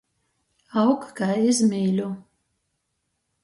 Aug kai iz mīļu.